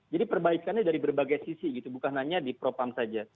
jadi perbaikannya dari berbagai sisi gitu bukan hanya di propam saja